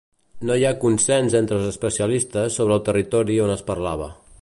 No hi ha consens entre els especialistes sobre el territori on es parlava.